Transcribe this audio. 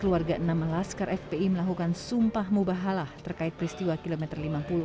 keluarga enam laskar fpi melakukan sumpah mubahalah terkait peristiwa kilometer lima puluh